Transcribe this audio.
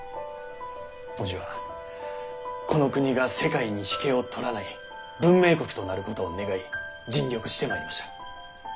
伯父はこの国が世界に引けを取らない文明国となることを願い尽力してまいりました。